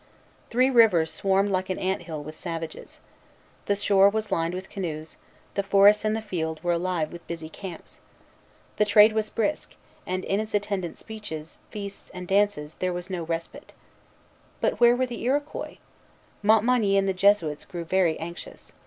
Three Rivers swarmed like an ant hill with savages. The shore was lined with canoes; the forests and the fields were alive with busy camps. The trade was brisk; and in its attendant speeches, feasts, and dances, there was no respite. But where were the Iroquois? Montmagny and the Jesuits grew very anxious.